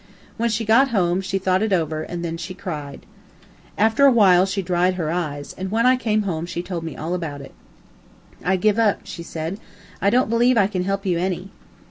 When she got home she thought it over, and then she cried. After a while she dried her eyes, and when I came home she told me all about it. "I give it up," she said. "I don't believe I can help you any."